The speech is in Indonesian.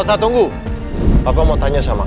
taman karimun parmae